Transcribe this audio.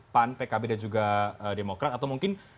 pan pkb dan juga demokrat atau mungkin